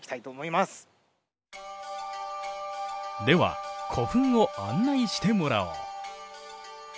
では古墳を案内してもらおう。